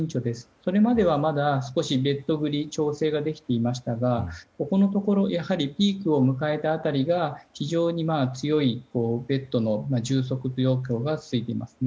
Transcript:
それまではまだ少しベッド繰り調整ができていましたがここのところピークを迎えた辺り非常に強いベッドの状況が続いていますね。